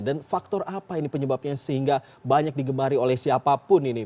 dan faktor apa ini penyebabnya sehingga banyak digemari oleh siapapun ini